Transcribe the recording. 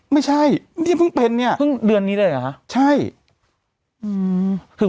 ไม่ใช่นี่เพิ่งเป็นเนี่ยเพิ่งเดือนนี้เลยเหรอคะใช่อืม